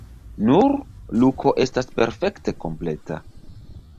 Nur Luko estas perfekte kompleta.